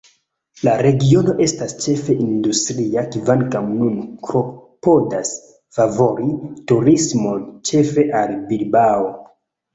La regiono estas ĉefe industria, kvankam nun klopodas favori turismon, ĉefe al Bilbao.